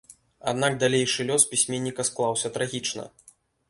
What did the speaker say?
Аднак далейшы лёс пісьменніка склаўся трагічна.